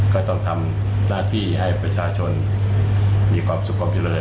ก็ต้องทำหน้าที่ให้ประชาชนมีความสุขความเจริญ